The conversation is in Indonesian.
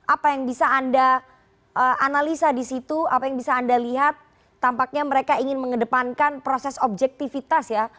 apa yang bisa anda analisa di situ apa yang bisa anda lihat tampaknya mereka ingin mengedepankan proses objektivitas ya